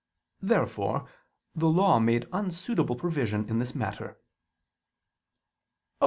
Therefore the Law made unsuitable provision in this matter. Obj.